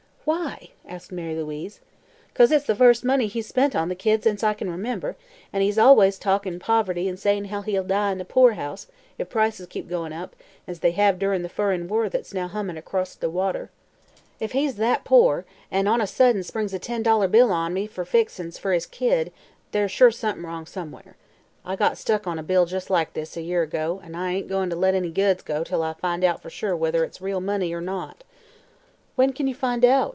"Why?" asked Mary Louise. "'Cause it's the first money he's spent on the kid since I kin remember, an' he's allus talkin' poverty an' says how he'll die in the poorhouse if prices keep goin' up, as they hev durin' the furrin war that's now hummin' acrost the water. If he's that poor, an' on a sudden springs a ten dollar bill on me for fixin's fer his kid, there's sure somethin' wrong somewhere. I got stuck on a bill jus' like this a year ago, an' I ain't goin' to let any goods go till I find out for sure whether it's real money or not." "When can you find out?"